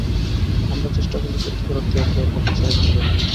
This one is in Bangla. আমরা চেষ্টা করলেও সত্যিকার অর্থে একে অপরকে ছেড়ে যেতে পারব না।